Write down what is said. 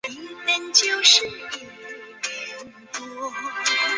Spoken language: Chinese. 旧大安溪桥自日治时期即于台湾南北纵贯交通扮演重要角色。